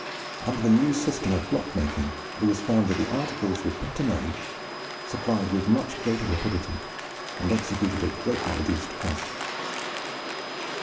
Under the new system of block making it was found that the articles were better made, supplied with much greater rapidity, and executed at a greatly reduced cost.